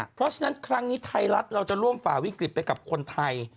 เพราะฉะนั้นครั้งนี้ไทยรัฐเราจะร่วมฝ่าวิกฤตไปกับคนไทย